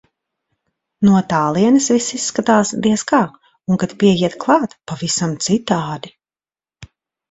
No tālienes viss izskatās, diez kā, un kad pieiet klāt - pavisam citādi.